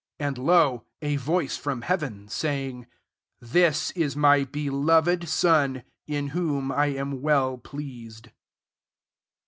17 And, lo, a voice from heaven, 8aying,"Thi5 is my beloved Son, in whom I am )vell pleased."